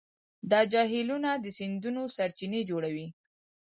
دا جهیلونه د سیندونو سرچینې جوړوي.